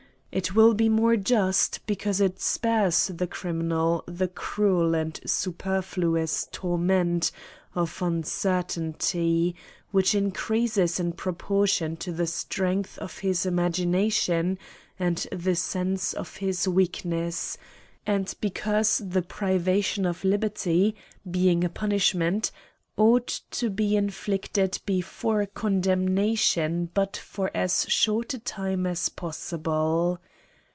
It will be more just, because it spares the criminal the cruel and superfluous torment of uncertainty, which increases in propor tion to the strength of his imagination and the sense of his weakness ; and because the privation of fiberty, being a punishment, ought to be inflict ed before condemnation but for as short a time as possible.